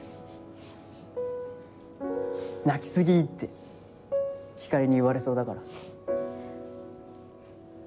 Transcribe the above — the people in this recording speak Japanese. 「泣き過ぎ」ってひかりに言われそうだから。